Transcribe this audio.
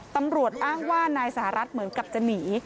ตำรวจอ้างว่านายสหรัฐเหมือนกับจะหนี